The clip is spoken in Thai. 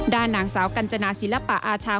ด้านนางสาวกัญจนาศิลปะอาชา